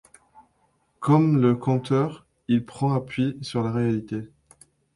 Comme le conteur, il prend appui sur la réalité.